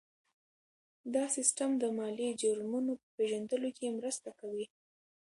دا سیستم د مالي جرمونو په پېژندلو کې مرسته کوي.